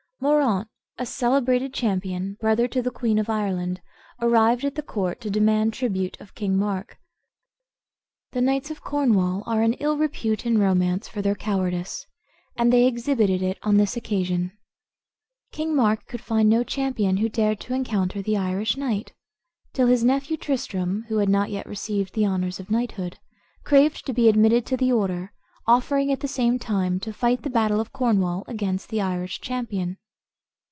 Moraunt, a celebrated champion, brother to the queen of Ireland, arrived at the court, to demand tribute of King Mark. The knights of Cornwall are in ill repute in romance for their cowardice, and they exhibited it on this occasion. King Mark could find no champion who dared to encounter the Irish knight, till his nephew Tristram, who had not yet received the honors of knighthood, craved to be admitted to the order, offering at the same time to fight the battle of Cornwall against the Irish champion.